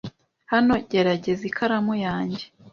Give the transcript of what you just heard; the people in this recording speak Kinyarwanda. Hano, gerageza ikaramu yanjye.